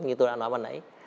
như tôi đã nói bằng nãy